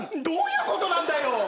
どういうことなんだよ！？